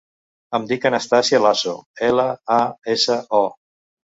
Em dic Anastàsia Laso: ela, a, essa, o.